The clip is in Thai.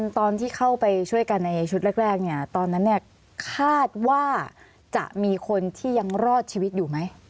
ตอนที่เข้าไปช่วยกันในชุดแรกเนี่ยตอนนั้นเนี่ยคาดว่าจะมีคนที่ยังรอดชีวิตอยู่ไหม